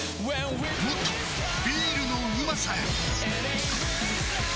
もっとビールのうまさへ！